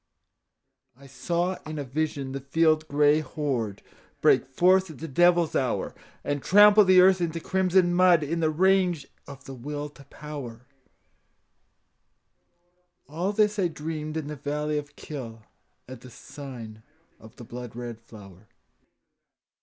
I saw in a vision the field gray horde Break forth at the devil's hour, And trample the earth into crimson mud In the rage of the Will to Power, All this I dreamed in the valley of Kyll, At the sign of the blood red flower.